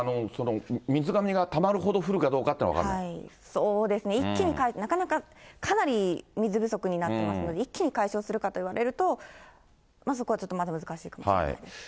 水がめがたまるほど降るかど一気に、なかなか、かなり水不足になってますので、一気に解消するかといわれると、そこはちょっとまだ難しいかもしれないです。